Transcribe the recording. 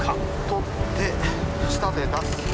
取って下で出す。